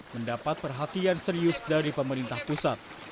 mendapat perhatian serius dari pemerintah pusat